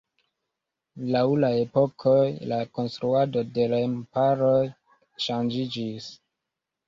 Laŭ la epokoj la konstruado de remparoj ŝanĝiĝis.